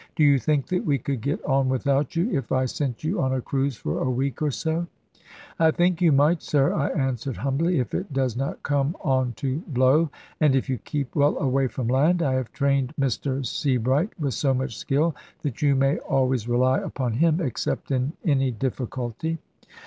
Do you think that we could get on without you, if I sent you on a cruise for a week or so?" "I think you might, sir," I answered humbly; "if it does not come on to blow, and if you keep well away from land. I have trained Mr Sebright with so much skill, that you may always rely upon him, except in any difficulty."